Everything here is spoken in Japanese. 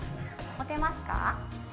持てます。